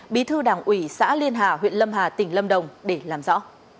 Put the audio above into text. bí thư đảng ủy xã liên hà huyện lâm hà tỉnh lâm đồng để làm rõ